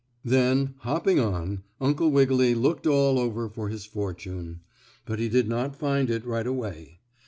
Then, hopping on, Uncle Wiggily looked all over for his fortune. But he did not find it right away.